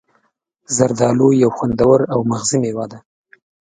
زردآلو یو خوندور او مغذي میوه ده.